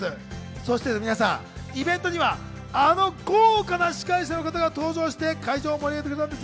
そしてイベントにはあの豪華な司会者の方も登場して会場を盛り上げてくれたんです。